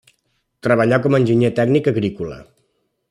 Treballà com a enginyer tècnic agrícola.